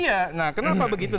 iya kenapa begitu